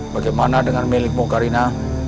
bagaimana dengan milikmu karina